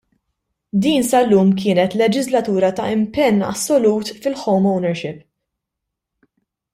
Din sal-lum kienet leġislatura ta' impenn assolut fil-home ownership.